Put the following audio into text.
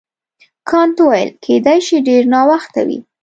کانت وویل کیدای شي ډېر ناوخته وي.